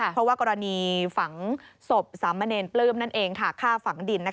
เพราะว่ากรณีฝังศพสามเณรปลื้มนั่นเองฆ่าฝังดิน